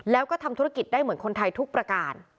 แล้วก็ทำธุรกิจได้เหมือนคนไทยทุกประการ